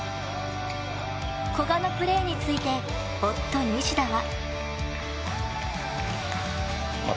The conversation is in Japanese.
古賀のプレーについて夫、西田は。